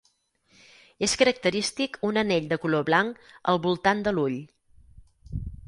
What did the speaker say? És característic un anell de color blanc al voltant de l'ull.